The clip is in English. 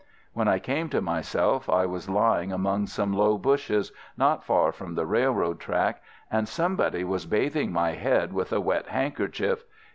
When I came to myself I was lying among some low bushes, not far from the railroad track, and somebody was bathing my head with a wet handkerchief.